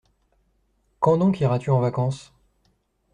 Quand donc iras-tu en vacances ?